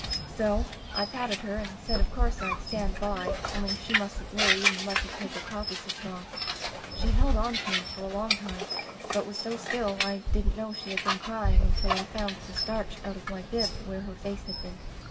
"So I patted her and said of course I'd 'stand by,' only she mustn't worry and mustn't take her coffee so strong. She held on to me for a long time, but was so still I didn't know she had been crying until I found the starch out of my bib where her face had been.